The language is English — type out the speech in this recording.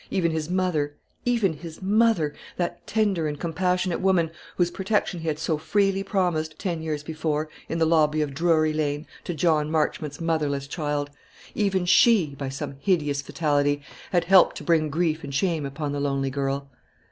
Even his mother even his mother that tender and compassionate woman, whose protection he had so freely promised, ten years before, in the lobby of Drury Lane, to John Marchmont's motherless child, even she, by some hideous fatality, had helped to bring grief and shame upon the lonely girl.